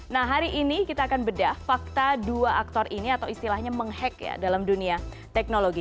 nah hari ini kita akan bedah fakta dua aktor ini atau istilahnya menghack ya dalam dunia teknologi